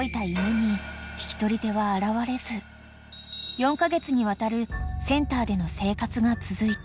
［４カ月にわたるセンターでの生活が続いた］